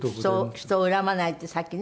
人を恨まないってさっきね